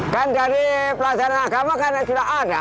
kan dari pelajaran agama kan sudah ada